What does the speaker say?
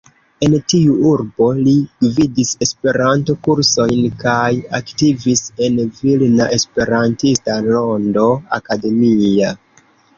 En tiu urbo li gvidis Esperanto-kursojn kaj aktivis en Vilna Esperantista Rondo Akademia.